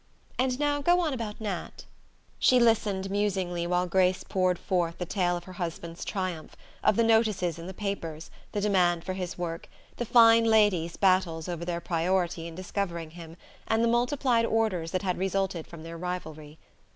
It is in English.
And now go on about Nat...." She listened musingly while Grace poured forth the tale of her husband's triumph, of the notices in the papers, the demand for his work, the fine ladies' battles over their priority in discovering him, and the multiplied orders that had resulted from their rivalry.